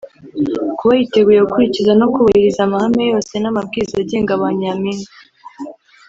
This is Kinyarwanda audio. Kuba yiteguye gukurikiza no kubahiriza amahame yose n’ amabwiriza agenga ba nyampinga